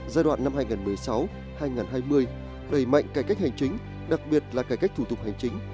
giai đoạn năm hai nghìn một mươi sáu hai nghìn hai mươi đẩy mạnh cải cách hành chính đặc biệt là cải cách thủ tục hành chính